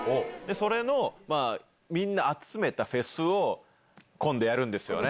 それのみんな集めたフェスを今度やるんですよね。